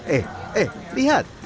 eh eh lihat